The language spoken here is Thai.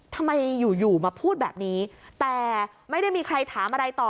ทำไมอยู่อยู่มาพูดแบบนี้แต่ไม่ได้มีใครถามอะไรต่อ